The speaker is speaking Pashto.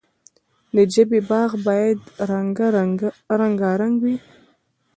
د ژبې باغ باید رنګارنګ وي.